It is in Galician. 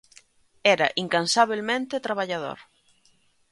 Era incansabelmente traballador.